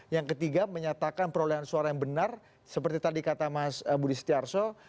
yang ketiga menyatakan perolehan suara yang benar seperti tadi kata mas budi setiarso